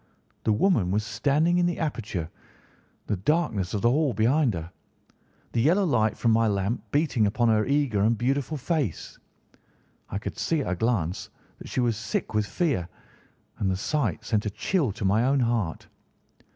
The woman was standing in the aperture, the darkness of the hall behind her, the yellow light from my lamp beating upon her eager and beautiful face. I could see at a glance that she was sick with fear, and the sight sent a chill to my own heart.